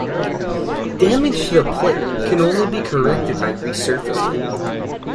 Damage to the plate can only be corrected by resurfacing.